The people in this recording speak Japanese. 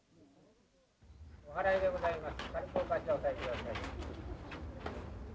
おはらいでございます。